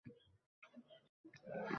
Boshini uyoq-buyoqqa qimirlatdi.